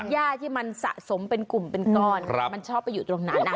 ย่าที่มันสะสมเป็นกลุ่มเป็นก้อนมันชอบไปอยู่ตรงนั้น